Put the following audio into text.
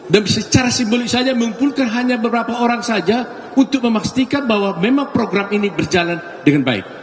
dan secara simbolik saja mengumpulkan hanya beberapa orang saja untuk memastikan bahwa memang program ini berjalan dengan baik